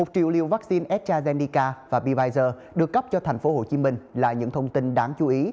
một triệu liều vaccine astrazeneca và pfizer được cấp cho tp hcm là những thông tin đáng chú ý